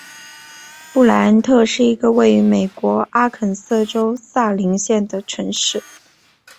布赖恩特是一个位于美国阿肯色州萨林县的城市。